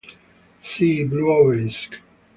See Blue Obelisk.